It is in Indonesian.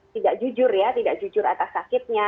tidak jujur ya tidak jujur atas sakitnya